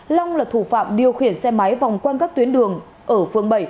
long là thủ phạm điều khiển xe máy vòng quan các tuyến đường ở phường bảy